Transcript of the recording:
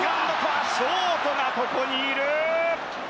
ショートがここにいる。